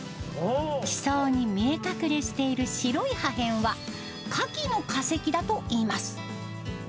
地層に見え隠れしている白い破片は、カキの化石だといいます。